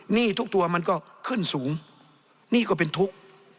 หนี้ทุกตัวมันก็ขึ้นสูงหนี้ก็เป็นทุกข์